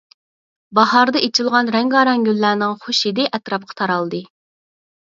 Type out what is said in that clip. باھاردا ئېچىلغان رەڭگارەڭ گۈللەرنىڭ خۇش ھىدى ئەتراپقا تارالدى.